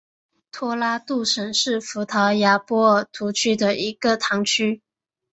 托拉杜什是葡萄牙波尔图区的一个堂区。